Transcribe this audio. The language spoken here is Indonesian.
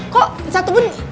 kok satu bun